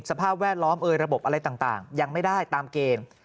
สภาพแวดล้อมเอ่ยระบบอะไรต่างยังไม่ได้ตามเกณฑ์